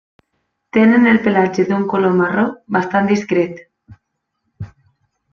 Tenen el pelatge d'un color marró bastant discret.